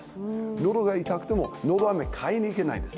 のどが痛くても、のどあめ買いに行けないんです。